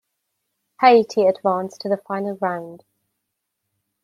Haiti advanced to the Final Round.